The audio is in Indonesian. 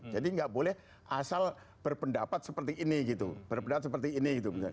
jadi nggak boleh asal berpendapat seperti ini gitu berpendapat seperti ini gitu